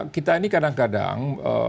kita ini kadang kadang